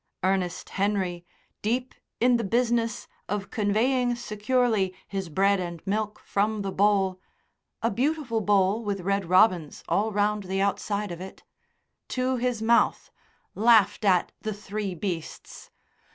Ernest Henry, deep in the business of conveying securely his bread and milk from the bowl a beautiful bowl with red robins all round the outside of it to his mouth, laughed at the three beasts.